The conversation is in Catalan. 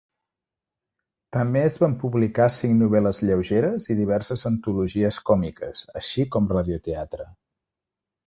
També es van publicar cinc novel·les lleugeres i diverses antologies còmiques, així com radio-teatre.